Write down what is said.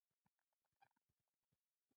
آیا دا ډیره ښکلې او ابي نه ده؟